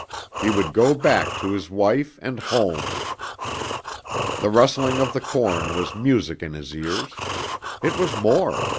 He would go back to his wife and home! The rustling of the corn was music in his ears. It was more.